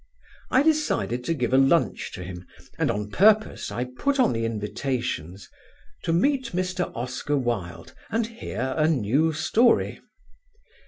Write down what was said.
I decided to give a lunch to him, and on purpose I put on the invitations: "To meet Mr. Oscar Wilde and hear a new story."